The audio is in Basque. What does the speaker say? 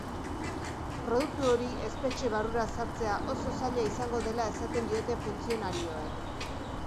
Produktu hori espetxe barrura sartzea oso zaila izango dela esaten diote funtzionarioek.